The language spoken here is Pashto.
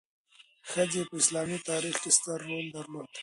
ښځې په اسلامي تاریخ کې ستر رول درلود.